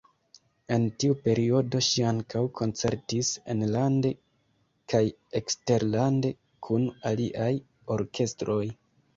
En tiu periodo ŝi ankaŭ koncertis enlande kaj eksterlande kun aliaj orkestroj.